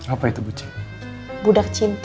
apa itu bucin budak cinta